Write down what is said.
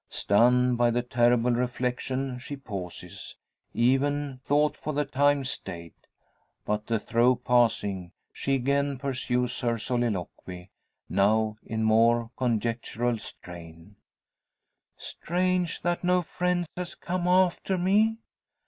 Stunned by the terrible reflection, she pauses even thought for the time stayed. But the throe passing, she again pursues her soliloquy, now in more conjectural strain: "Strange that no friend has come after me?